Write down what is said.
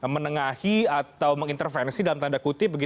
menengahi atau mengintervensi dalam tanda kutip